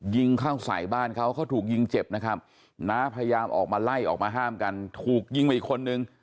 ยิงเข้าใส่บ้านเขาเขาถูกยิงเจ็บนะครับน้าพยายามออกมาไล่ออกมาห้ามกันถูกยิงไปอีกคนนึง